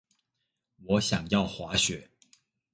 我想要滑雪